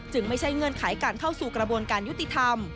จึงไม่ใช่เงินขายการเข้าสู่กระบวนการยุติธรรม